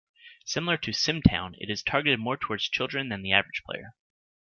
Similar to "SimTown", it is targeted more towards children than the average player.